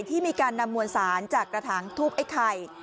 ที่มีการนำมวลสารจากกระถางทูบไอ้ไข่